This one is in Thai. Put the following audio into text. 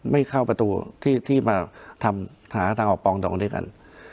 ไม่เข้าประตูที่มาหาทางออกปองตรงนี้กัน